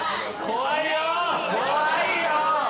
怖いよ！